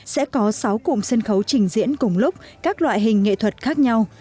sẽ có sáu cụm sân khấu trình diễn cùng lúc các loại hình nghệ thuật khác nhau